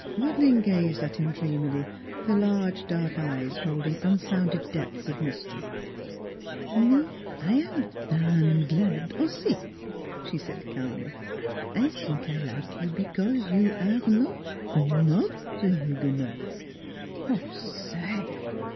Madeleine gazed at him dreamily, her large dark eyes holding un sounded depths of mystery. " Me I am darn glad aussi" she said calmly. NEIGHBORS 195 " I sink I like you because you aire not not Huguenot." " Say